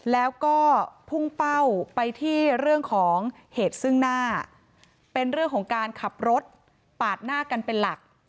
แล้วก็พุ่งเป้าไปที่เรื่องของเหตุซึ่งหน้าเป็นเรื่องของการขับรถปาดหน้ากันเป็นหลัก